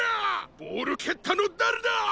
ボールけったのだれだ！？